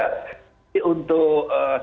untuk sebenarnya penjagaan secara khusus